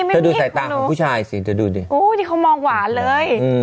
เดี๋ยวดูสายตาของผู้ชายสิเธอดูดิโอ้ยที่เขามองหวานเลยอืม